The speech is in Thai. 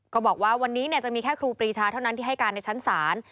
ก็บอกว่าวันนี้จะมีแค่ครูปรีชาเท่านั้นที่ให้การในชั้นศาล